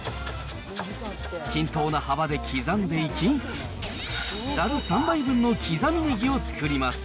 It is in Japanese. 均等な幅で刻んでいき、ざる３杯分の刻みネギを作ります。